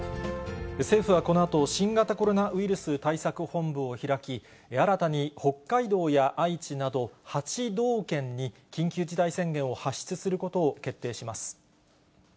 政府はこのあと、新型コロナウイルス対策本部を開き、新たに北海道や愛知など、８道県に緊急事態宣言を発出することを決定します。